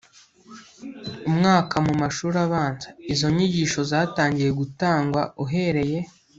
mwaka mu mashuri abanza. izo nyigisho zatangiye gutangwa uhereye